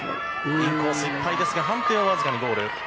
インコースいっぱいですが判定はわずかにボール。